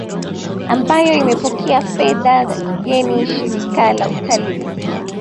ambayo imepokea fedha za kigeni Shirika la Utalii